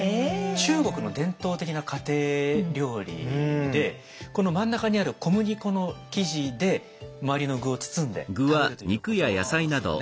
中国の伝統的な家庭料理でこの真ん中にある小麦粉の生地で周りの具を包んで食べるということなんですよね。